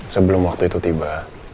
sebelum waktu itu tiba